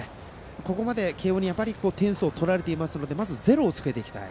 ここまで慶応に点数を取られていますのでまずゼロをつけていきたい。